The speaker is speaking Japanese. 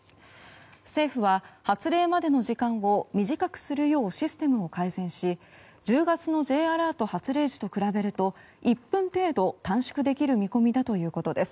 政府は発令までの時間を短くするようシステムを改善し１０月のＪアラート発令時と比べると１分程度短縮できる見込みだということです。